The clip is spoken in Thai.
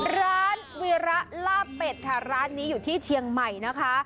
ร้านวีระลาบเป็ดค่ะร้านนี้อยู่ที่เชียงใหม่นะคะ